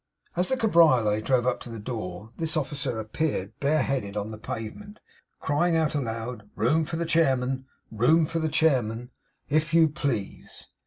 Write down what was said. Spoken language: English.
As the cabriolet drove up to the door, this officer appeared bare headed on the pavement, crying aloud 'Room for the chairman, room for the chairman, if you please!